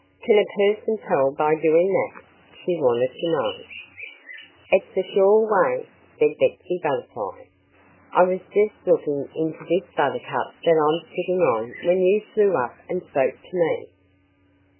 "Can a person tell by doing that?" she wanted to know. "It's a sure way," said Betsy Butterfly. "I was just looking into this buttercup that I'm sitting on when you flew up and spoke to me."